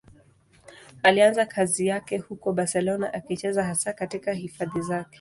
Alianza kazi yake huko Barcelona, akicheza hasa katika hifadhi zake.